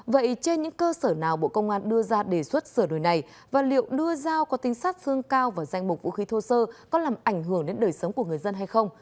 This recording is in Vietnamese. vậy trên những cơ sở nào bộ công an đưa ra đề xuất sửa đổi này và liệu đưa giao có tính sát thương cao vào danh mục vũ khí thô sơ có làm ảnh hưởng đến đời sống của người dân hay không